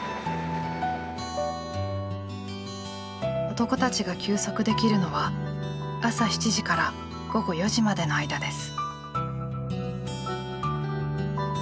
男たちが休息できるのは朝７時から午後４時までの間です。